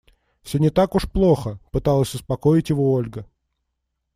«Всё не так уж плохо», - пыталась успокоить его Ольга.